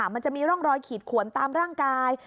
มันจะมีร่องรอยขีดขวนตามร่างกาย